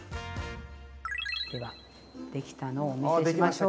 ではできたのをお見せしましょう。